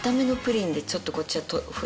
ちょっとこっちは。